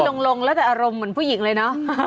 ลงแล้วแต่อารมณ์เหมือนผู้หญิงเลยเนอะ